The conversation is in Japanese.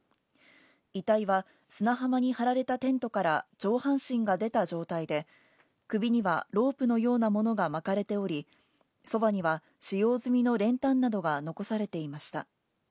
遺体は砂浜に張られたテントから上半身が出た状態で、首にはロープのようなものが巻かれており、そばには使用済みの練炭などが残されていました。